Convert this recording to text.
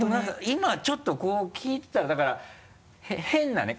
今ちょっと聞いてたらだから変なね